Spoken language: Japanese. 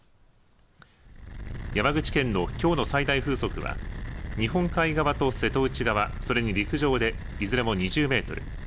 山口県のきょうの最大風速は日本海側と瀬戸内側それに陸上でいずれも２０メートル